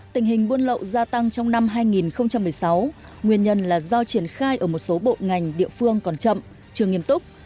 tình hình buôn lậu gia tăng trong năm hai nghìn một mươi sáu nguyên nhân là do triển khai ở một số bộ ngành địa phương còn chậm chưa nghiêm túc